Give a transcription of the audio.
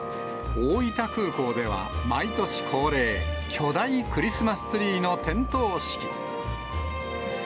大分空港では、毎年恒例、巨大クリスマスツリーの点灯式。